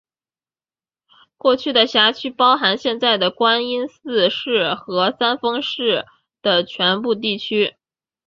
过去的辖区包含现在的观音寺市和三丰市的全部地区。